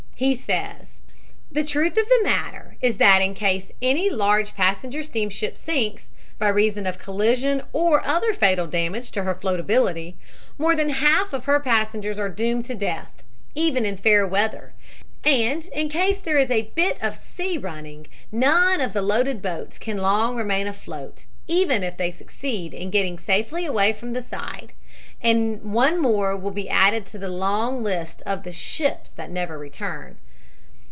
He says: "The truth of the matter is that in case any large passenger steamship sinks, by reason of collision or other fatal damage to her flotability, more than half of her passengers are doomed to death, even in fair weather, and in case there is a bit of a sea running none of the loaded boats can long remain afloat, even if they succeed in getting safely away from the side, and one more will be added to the long list of 'the ships that never return.'